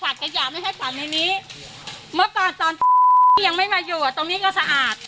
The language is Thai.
คณะจำการหมู่บ้านก็รวมความเห็นแล้วว่าตรงนี้จะต้องสะอาด